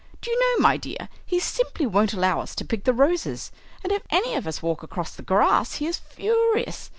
Do you know, my dear, he simply won't allow us to pick the roses; and if any of us walk across the grass he is furious.